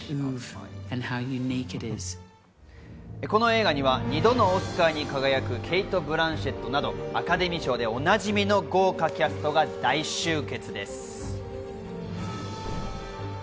この映画には２度のオスカーに輝くケイト・ブランシェットなど、アカデミー賞でおなじみの豪華キャストが大集結です。